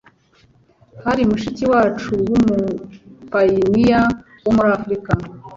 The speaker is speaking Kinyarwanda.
Hari mushiki wacu w'umupayiniya wo muri Amerika